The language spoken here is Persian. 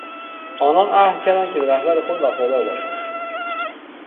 آنان عهد کردند که به رهبر خود وفادار باشند.